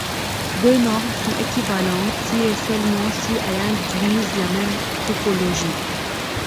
Deux normes sont équivalentes si et seulement si elles induisent la même topologie.